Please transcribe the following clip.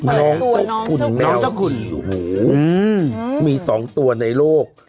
น้องเจ้าคุณแมวสี่หูมีสองตัวในโลก